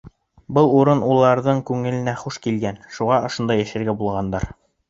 Был урын уларҙың күңеленә хуш килгән, шуға ошонда йәшәргә булғандар.